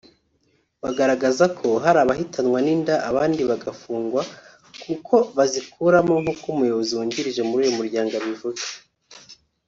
bagaragaza ko hari abahitanwa n’inda abandi bagafungwa kuko bazikuramo nk’uko Umuyobozi wungirije muri uyu muryango abivuga